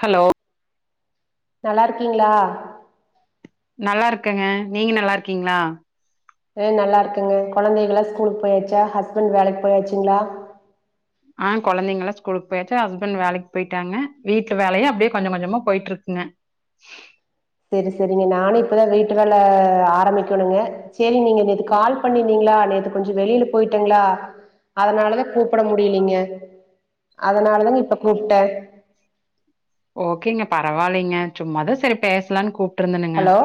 Hello நல்லா இருக்கீங்களா நல்லா இருக்கங்க நீங்க நல்லா இருக்கீங்களா ஏ நல்லா இருக்கங்க கொழந்தைகளாம் ஸ்கூலுக்கு போயாச்சா ஹஸ்பண்ட் வேலைக்கு போயாச்சுங்களா. ஆஹ் கொழந்தைங்கல்லாம் ஸ்கூலுக்கு போயாச்சு ஹஸ்பண்ட் வேலைக்கு போயிட்டாங்க வீட்டுல வேலையே அப்பிடியே கொஞ்சம் கொஞ்சமா போயிட்டு இருக்குங்க சேரி சேரிங்க நானு இப்பதா வீட்டு வேல ஆரம்பிக்கணுங்க சேரி நீங்க நேத்து கால் பண்ணிருந்தீங்களா நேத்து கொஞ்சோ வெளியில போயிட்டேங்களா அதனாலதா கூப்புட முடியலீங்க அதனாலதாங்க இப்ப கூப்பிட்டே ஓகேங்க பரவாயில்லைங்க சும்மாதான் சரி பேசலானு கூப்பி கூப்டிருந்தனுங்க ஹலோ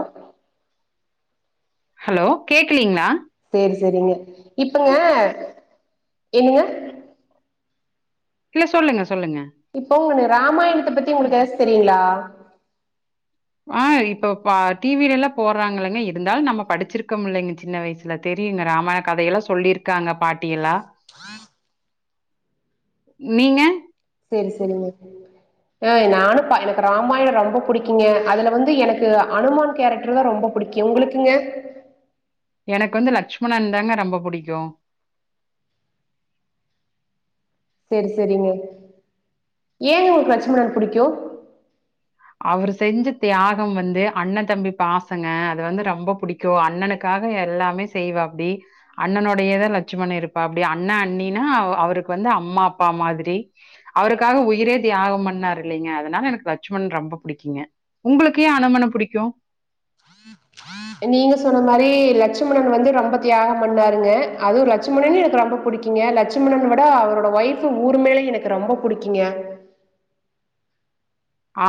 ஹலோ கேக்குலீங்களா சரி சரிங்க இப்பங்க என்னங்க இல்ல சொல்லுங்க ஸ் இப்ப ஒன்னு ராமாயணத்த பத்தி உங்களுக்கு எதாச்சு தெரி ரிங்க்ளா ஆஹ் இப்ப டிவிலல்லா போறாங்களங்க இருந்தாலு நம்ம படிச்சிருக்கோம்லைங்க சின்ன வயசுல தெரியுங்க ராமாயண கதையெல்லா சொல்லியிருக்காங்க பாட் ட்டியெலா நீங்க செரி செரிங்க ஆ நானு ப எனக்கு ராமாயண ரொம்ப பிடிக் கீங்க அதுல வந்து எனக்கு அனுமான் கேரக்டர் தா ரொம்ப பிடிக்கும் உங்ளுக்குங்க எனக்கு வந்து லட்சுமணன்ந்தாங்க ரொம்ப பிடிக்கும் சரி சரிங்க ஏனுங்க உங்களுக்கு லட்சமணன் புடிக்கும் அவரு செஞ்ச தியாகம் வந்து அண்ணன் தம்பி பாசங்க அது வந்து ரொம்ப பிடிக்கும் அண்ணனுக்காக எல்லாமே செய்வாப்படி அண்ணனோடையேதா லட்சுமண இருப்பாப்படி அண்ணன் அண்ணினா அவருக்கு வந்து அம்மா அப்பா மாதிரி அவருக்காக உயிரே தியாகம் பண்ணாரில்லைங்க அதனால எனக்கு லட்சும மன் ரொம்ப புடிக்குங்க உங்களுக்கு ஏன் அனுமனை புடிக்கும் நீங்க சொன்ன மாரி லட்சுமணன் வந்து ரொம்ப தியாக பண்ணாருங்க அதுவு லட்சுமணன் எனக்கு ரொம்ப புடிக்குங்க லட்சுமணன் விட அவரோட ஒய்ஃப் ஊர்மிலா எனக்கு ரொம்ப புடிக்கங்க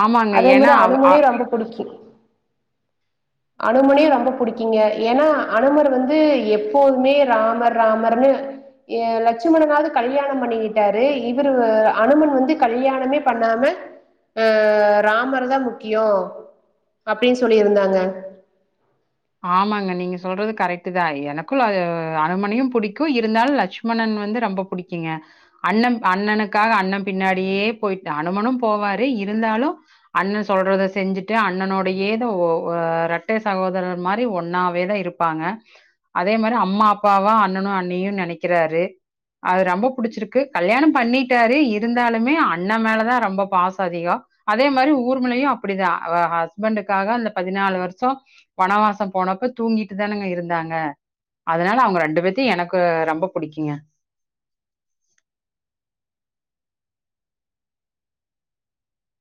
ஆமாங்க. அதே ஏன்னா மாரி அவ் அ அனுமனையு ரொம்ப புடிக்கும் அனுமனையு ரொம்ப புடிக்கிங்க ஏன்னா அனுமர் வந்து எப்போதுமே ராமர் ராமர்ன்னு ஏ லட்சுமணனாவது கல்யாண பண்ணிக்கிட்டாரு இவரு வ அனுமன் வந்து கல்யாணமே பண்ணாம அஹ் ராமர் தா முக்கியொ அப்டின்னு சொல்லிருந்தாங்க ஆமாங்க நீங்க சொல்றது கரெக்டு தா எனக்கு ல அனுமனையு பிடிக்கு இருந்தாலு லட்சுமணன் வந்து ரொம்ப பிடிக்குங்க அண்ணன் அண்ணனுக்காக அண்ண பின்னாடியே போயிடா அனுமனு போவாரு இருந்தாலு அண்ணன் சொல்றத செஞ்சுட்டு அண்ணனோடையே தொ இரட்ட சகோதரர் மாரி ஒன்னாவே தா இருப்பாங்க அதே மாரி அம்மா அப்பாவா அண்ணனு அன்னியு நெனைக்கிறாரு அது ரொம்ப புடிச்சிருக்கு கல்யாணம் பண்ணிட்டாரு இருந்தாலுமே அண்ண மேலதா ரொம்ப பாசோ அதிகோ அதே மாரி ஊர்மலையு அப்டிதா அவ ஹஸ்பண்டுக்காக அந்த பதினாலு வருஷோ வனவாசம் போனப்ப தூங்கிட்டுதானேங்க இருந்தாங்க அதனால அவங்க ரெண்டு பேத்தையும் எனக்கு ரொம்ப பிடிக்குங்க